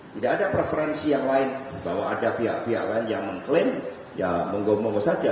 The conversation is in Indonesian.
tidak ada preferensi yang lain bahwa ada pihak pihak lain yang mengklaim ya monggo monggo saja